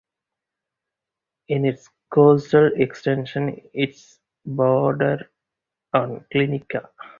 In its coastal extension it bordered on Cilicia.